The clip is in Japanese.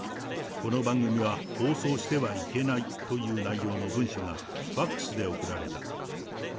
この番組は放送してはいけないという内容の文書がファックスで送られた。